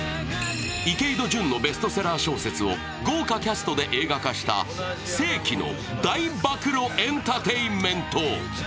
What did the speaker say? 池井戸潤のベストセラー小説を豪華キャストで映画化した世紀の大暴露エンターテインメント。